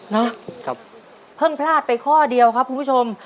นะครับเพิ่งพลาดไปข้อเดียวครับคุณผู้ชม